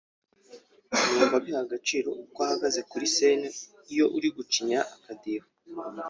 Numva biha agaciro uko uhagaze kuri scene iyo uri gucinya akadiho